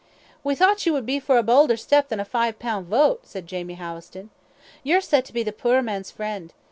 "We thocht ye would be for a baulder step than a five pound vote," said Jamie Howison; "ye're said to be the puir man's friend.